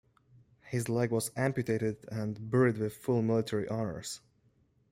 His leg was amputated and buried with full military honors.